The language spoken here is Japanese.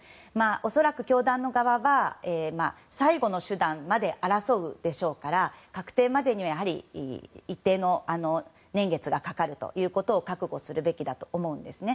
恐らく教団側は最後の手段まで争うでしょうから確定までにはやはり一定の年月がかかることを覚悟するべきだと思うんですね。